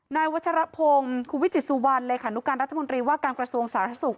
นายวัชรพงศ์คุณวิจิตสุวรรณเลขานุการรัฐมนตรีว่าการกระทรวงสาธารณสุข